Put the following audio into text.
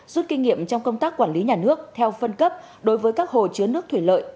rút kinh nghiệm trong công tác quản lý nhà nước theo phân cấp đối với các hồ chứa nước thủy lợi